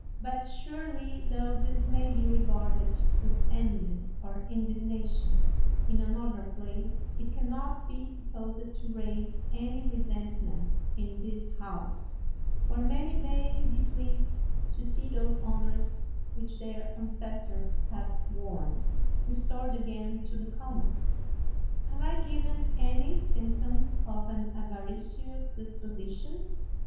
But surely, tho this may be regarded with envy or indignation in another 162 WALPOLE place, it can not be supposed to raise any resent ment in this House, where many may be pleased to see those honors which their ancestors have worn, restored again to the Commons. Have I given any symptoms of an avaricious disposition?